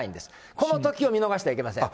このときを見逃してはいけません。